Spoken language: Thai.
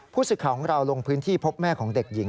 ผู้สื่อข่าวของเราลงพื้นที่พบแม่ของเด็กหญิง